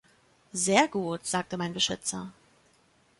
„Sehr gut“, sagte mein Beschützer.